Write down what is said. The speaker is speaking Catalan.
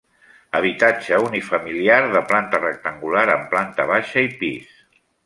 Habitatge unifamiliar de planta rectangular amb planta baixa i pis.